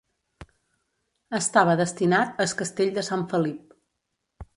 Estava destinat as Castell de Sant Felip.